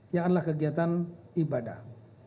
yang adalah kegiatan ibadah